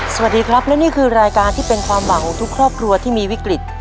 สวัสดีครับและนี่คือรายการที่เป็นความหวังของทุกครอบครัวที่มีวิกฤต